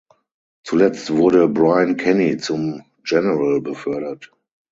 Zuletzt wurde Brian Kenny zum General befördert.